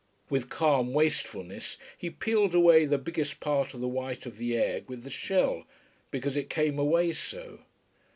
With calm wastefulness he peeled away the biggest part of the white of the egg with the shell because it came away so.